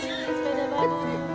hargede sama ibu